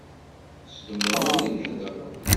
S lemɛun i theddreḍ?